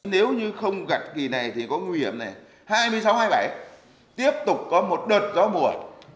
nếu như không gặt kỳ này thì có nguy hiểm này hai mươi sáu hai mươi bảy tiếp tục có một đợt gió mùa